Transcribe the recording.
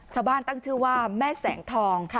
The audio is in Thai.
ชาวบ้านตั้งชื่อว่าแม่แสงทอง